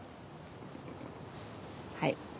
はい。